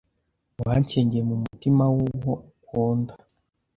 wancengeye mumutima wuwo ukunda